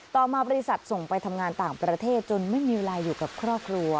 ต่อมาบริษัทส่งไปทำงานต่างประเทศจนไม่มีเวลาอยู่กับครอบครัว